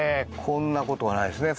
こんな事はないですね。